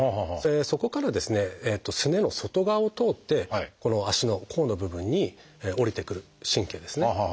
そこからですねすねの外側を通ってこの足の甲の部分に下りてくる神経ですね。